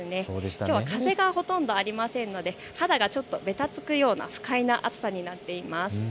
きょうは風がほとんどありませんので肌がちょっとべたつくような不快な暑さとなっています。